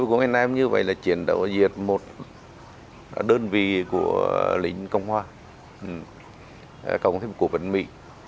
tháng sáu năm một nghìn chín trăm sáu mươi tám tôi và các anh em như vậy là chiến đấu diệt một đơn vị của lính công hoa công thức cục vận mỹ